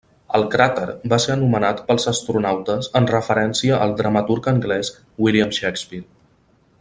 El cràter va ser anomenat pels astronautes en referència al dramaturg anglès William Shakespeare.